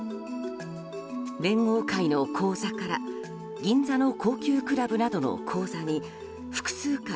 連合会の口座から銀座の高級クラブなどの口座に複数回